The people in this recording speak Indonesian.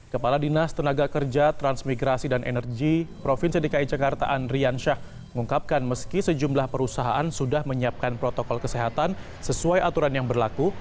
kepala dinas tenaga kerja transmigrasi dan energi provinsi dki jakarta andrian syah mengungkapkan meski sejumlah perusahaan sudah menyiapkan protokol kesehatan sesuai aturan yang berlaku